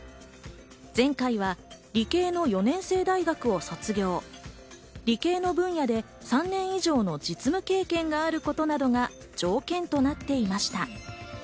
前回は理系の４年制大学を卒業、理系の分野で３年以上の実務経験があることなどが条件となっていました。